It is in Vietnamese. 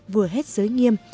vừa hết giới nghiêm